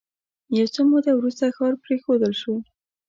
یو څه موده وروسته ښار پرېښودل شو